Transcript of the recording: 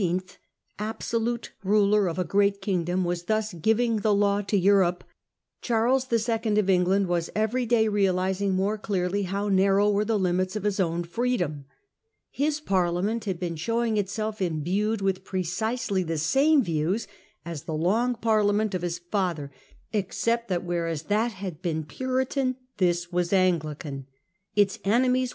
absolute ruler of a great kingdom, was thus giving the law to Europe, Charles 1 1. of England was every day realising more clearly how narrow were the limits of his own freedom. His Parliament had been showing itself imbued with precisely the same views as the Long Parliament of his father, except that, whereas that had been Puritan, this was Anglican. Its enemies